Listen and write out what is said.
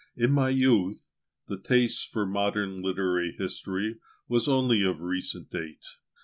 In my youth, the taste for modern literary history was only of recent date.